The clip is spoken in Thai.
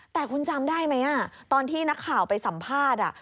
แต่คุณจำได้ไหมตอนที่นักข่าวไปสัมภาษณ์